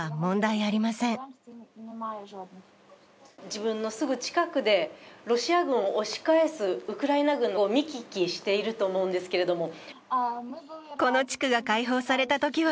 自分のすぐ近くで、ロシア軍を押し返すウクライナ軍を見聞きしていると思うんですけれども。